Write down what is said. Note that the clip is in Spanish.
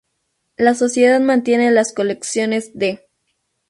La Sociedad mantiene las colecciones de-